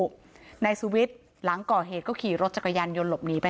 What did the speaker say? แบบนี้คือใช่เลยตีใช่ในตีลัยเอ๊ะ